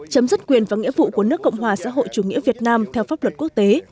chấm dứt quyền và nghĩa vụ của nước cộng hòa xã hội chủ nghĩa việt nam theo pháp luật quốc tế